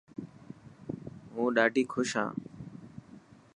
هون ڏاڌي خوش هان.